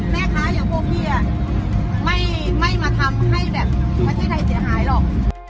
แม่ค้าอย่างพวกพี่ไม่มาทำให้แบบประเทศไทยเสียหายหรอก